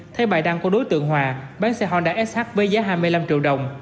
theo bài đăng của đối tượng hòa bán xe honda sh với giá hai mươi năm triệu đồng